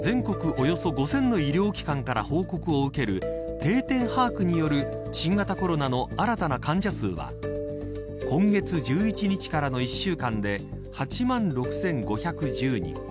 およそ５０００の医療機関から報告を受ける定点把握による新型コロナの新たな患者数は今月１１日からの１週間で８万６５１０人。